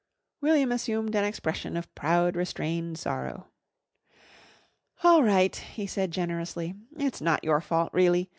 William assumed an expression of proud, restrained sorrow. "All right!" he said generously. "It's not your fault really.